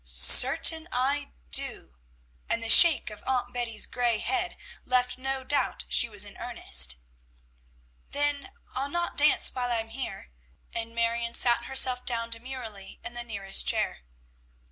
"Sartain I do;" and the shake of Aunt Betty's gray head left no doubt she was in earnest. "Then I'll not dance while I am here," and Marion sat herself down demurely in the nearest chair.